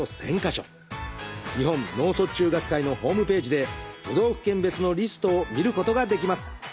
日本脳卒中学会のホームページで都道府県別のリストを見ることができます。